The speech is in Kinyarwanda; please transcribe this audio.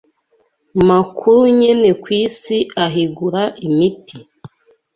makuru nyene kw'isi ahingura imiti.